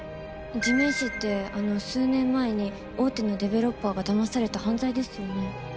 地面師ってあの数年前に大手のデベロッパーがだまされた犯罪ですよね？